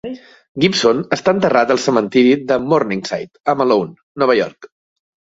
Gibson està enterrat al cementiri de Morningside a Malone, Nova York.